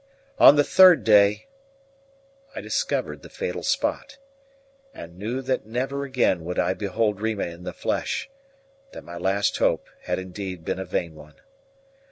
On the third day I discovered the fatal spot, and knew that never again would I behold Rima in the flesh, that my last hope had indeed been a vain one.